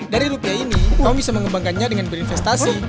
dari rupiah ini tommy bisa mengembangkannya dengan berinvestasi